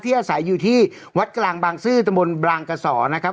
อาศัยอยู่ที่วัดกลางบางซื่อตะบนบางกระสอนะครับ